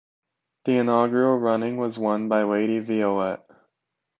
The inaugural running was won by Lady Violette.